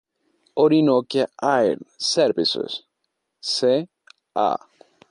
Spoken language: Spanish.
Orinoquia Air Services c.a.